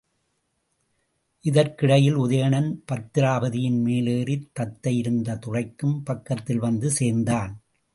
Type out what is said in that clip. இதற்கிடையில் உதயணன், பத்திராபதியின் மேலேறித் தத்தை இருந்த துறைக்கும் பக்கத்தில் வந்து சேர்ந்தான்.